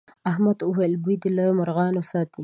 احمد وويل: بوی دې له مرغانو ساتي.